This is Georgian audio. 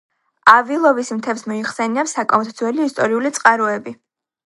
ავილოვის მთებს მოიხსენიებს საკმაოდ ძველი ისტორიული წყაროები.